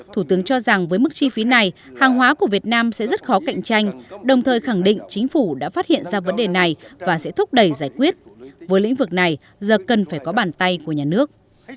thủ tướng cho rằng với mức chi phí này hàng hóa của việt nam sẽ rất khó cạnh tranh đồng thời khẳng định chính phủ đã phát hiện ra vấn đề này và sẽ thúc đẩy giải quyết với lĩnh vực này giờ cần phải có bàn tay của nhà nước